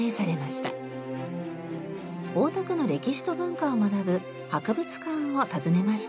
大田区の歴史と文化を学ぶ博物館を訪ねました。